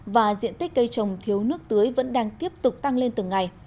và diện tích cây trồng thiếu nước tưới vẫn đang tiếp tục tăng lên từng ngày